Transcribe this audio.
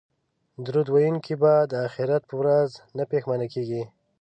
درود ویونکی به د اخرت په ورځ نه پښیمانه کیږي